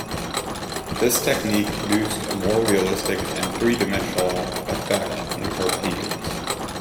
This technique produced a more realistic and three-dimensional affect in her paintings.